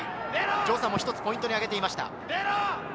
城さんもポイントに挙げていました。